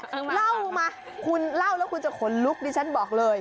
เล่ามาคุณเล่าแล้วคุณจะขนลุกดิฉันบอกเลย